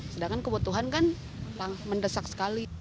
sedangkan kebutuhan kan mendesak sekali